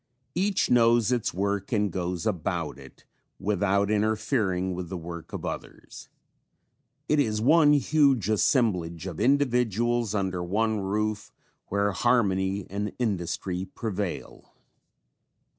Each knows its work and goes about it without interfering with the work of others. It is one huge assemblage of individuals under one roof where harmony and industry prevail.